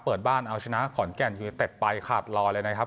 เปิดบ้านเอาชนะขอนแก่นยูนิเต็ดไปขาดรอเลยนะครับ